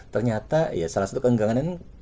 ternyata salah satu keenggangan ini